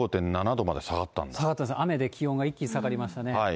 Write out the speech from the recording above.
気温、下がったんですね、雨で気温が一気に下がりましたね。